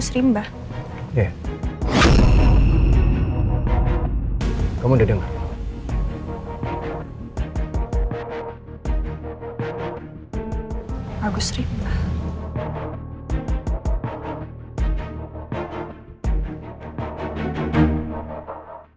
seenak meninggal namanya agus rimba